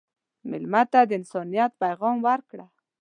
مېلمه ته د انسانیت پیغام ورکړه.